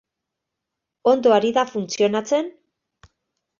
Ondo ari da funtzionatzen?